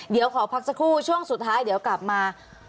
เดี๋ยวขอพักสักครู่ช่วงสุดท้ายเดี๋ยวกลับมา